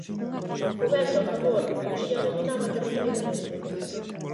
Co vento a favor o Muxía dominaba territorialmente.